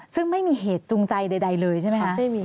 ซึ่งไม่มีเหตุจูงใจใดเลยใช่ไหมคะ